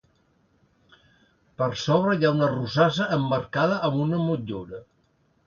Per sobre hi ha una rosassa emmarcada amb una motllura.